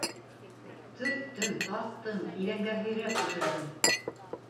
Төрттөм, тарттым, иҙәнгә һөйрәп төшөрҙөм.